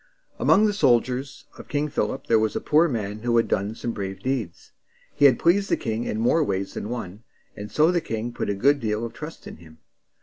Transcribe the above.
Among the soldiers of King Philip there was a poor man who had done some brave deeds. He had pleased the king in more ways than one, and so the king put a good deal of trust in him.